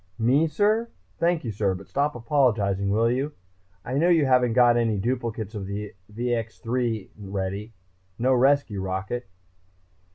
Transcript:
Me, sir? Thank you, sir. But stop apologizing, will you? I know you haven't got any duplicates of the VX 3 ready, no rescue rocket...."